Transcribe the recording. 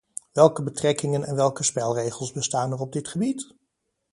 Welke betrekkingen en welke spelregels bestaan er op dit gebied?